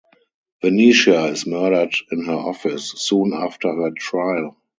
Venetia is murdered in her office soon after her trial.